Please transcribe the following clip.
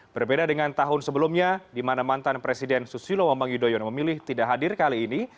berbeda dengan tahun sebelumnya di mana mantan presiden susilo wambang yudhoyono memilih tidak hadir kali ini